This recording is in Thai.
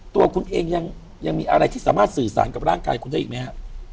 ตัวคุณเองยังมีอะไรที่สามารถสื่อสารกับร่างกายคุณได้อีกไหมฮะ